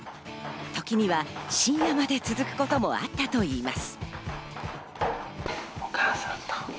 時には深夜まで続くこともあったといいます。